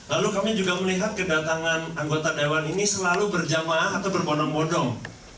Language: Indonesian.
lalu kami juga melihat kedatangan anggota dewan ini selalu berjamaah atau berbondong bodong